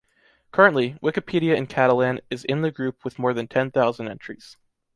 Currently, Wikipedia in Catalan is in the group with more than ten thousand entries.